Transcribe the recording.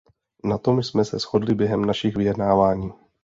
Na tom jsme se shodli během našich vyjednávání.